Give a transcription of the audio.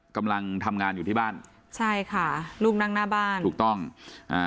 กำลังทำงานอยู่ที่บ้านใช่ค่ะลูกนั่งหน้าบ้านถูกต้องอ่า